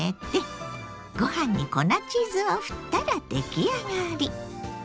ご飯に粉チーズをふったら出来上がり。